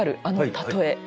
あの例え。